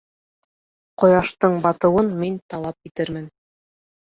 Ҡояштың батыуын мин талап итермен.